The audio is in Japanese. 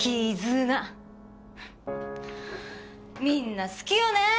みんな好きよね。